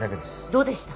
どうでした？